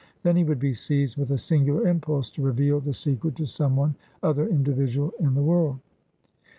Then he would be seized with a singular impulse to reveal the secret to some one other individual in the world.